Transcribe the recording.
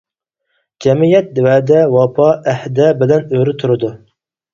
جەمئىيەت ۋەدە، ۋاپا، ئەھدە بىلەن ئۆرە تۇرىدۇ.